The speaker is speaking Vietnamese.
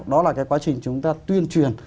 đó là cái quá trình chúng ta tuyên truyền